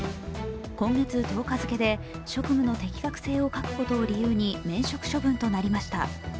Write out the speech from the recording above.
今月１０日付で職務の適格性を欠くことを理由に免職処分となりました。